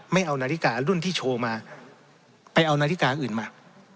ไม่เอานาฬิการุ่นที่โชว์มาไปเอานาฬิกาอื่นมา